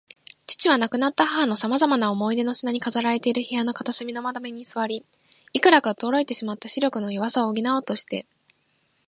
父は、亡くなった母のさまざまな思い出の品に飾られている部屋の片隅の窓辺に坐り、いくらか衰えてしまった視力の弱さを補おうとして